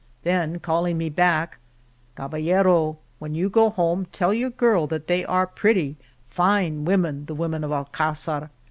Then calling me back, Caballero, when you go home tell your girl that they are pretty fine women, the women of Alcazar.